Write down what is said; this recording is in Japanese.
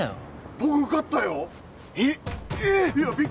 僕受かったよえっ